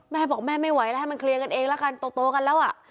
แม่บอกแม่ไม่ไหวแล้วให้มันเคลียร์กันเองละกันโตกันแล้วอ่ะ